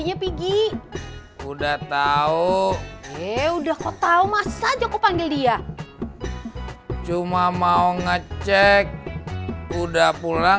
aninya piggy udah tahu ya udah kau tahu masa aja aku panggil dia cuma mau ngecek udah pulang